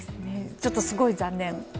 ちょっとすごい残念。